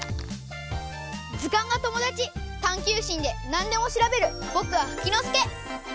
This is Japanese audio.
ずかんがともだちたんきゅうしんでなんでもしらべるぼくはフキノスケ！